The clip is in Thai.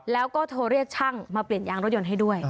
แล้วก็โทรเรียกช่างมาเปลี่ยนยางรถยนต์ให้ด้วย